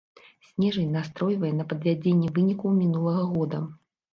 Снежань настройвае на падвядзенне вынікаў мінулага года.